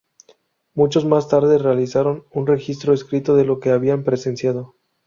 Muchos más tarde realizaron un registro escrito de lo que habían presenciado.